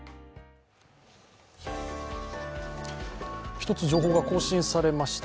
１つ情報が更新されました。